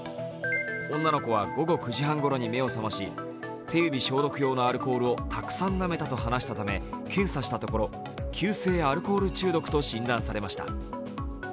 女の子は午後９時半ごろに目を覚まし、手指消毒用のアルコールをたくさんなめたと話したため検査したところ、急性アルコール中毒と診断されました。